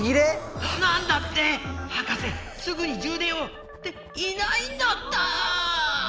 なんだって⁉博士すぐにじゅう電をっていないんだった。